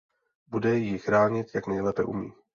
Bude ji chránit, jak nejlépe umí.